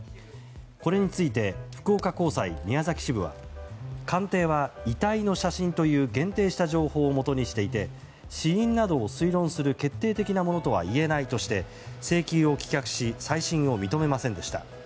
これについて福岡高裁宮崎支部は鑑定は、遺体の写真という限定した情報をもとにしていて死因などを推論する決定的なものとは言えないとして請求を棄却し再審を認めませんでした。